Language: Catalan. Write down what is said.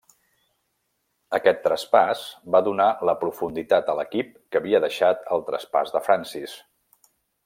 Aquest traspàs va donar la profunditat a l'equip que havia deixat el traspàs de Francis.